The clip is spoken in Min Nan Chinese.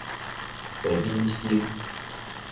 袂忍心